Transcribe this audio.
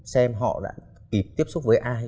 xem họ đã kịp tiếp xúc với ai